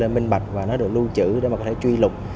nó được minh bạch và nó được lưu trữ để mà có thể truy lục